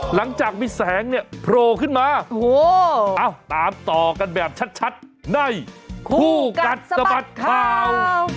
หลังจากมีแสงเนี่ยโผล่ขึ้นมาตามต่อกันแบบชัดในคู่กัดสะบัดข่าว